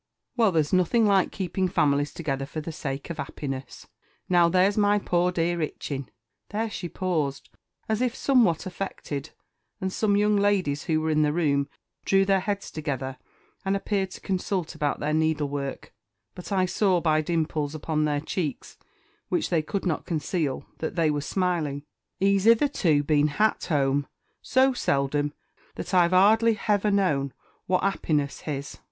"Well there's nothing like keeping families together for the sake of 'appiness. Now there's my poor dear 'Itching" [There she paused, as if somewhat affected, and some young ladies who were in the room drew their heads together, and appeared to consult about their needlework; but I saw, by dimples upon their cheeks, which they could not conceal, that they were smiling], "'e's 'itherto been _h_at 'ome so seldom, that I've 'ardly _h_ever known what 'appiness _h_is."